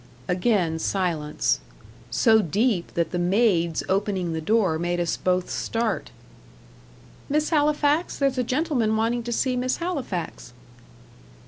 Again silence. So deep that the maid's opening the door made us both start. "Miss Halifax there's a gentleman wanting to see Miss Halifax."